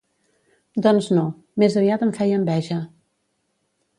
Doncs no, més aviat em feia enveja.